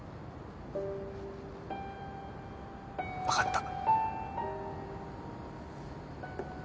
分かった。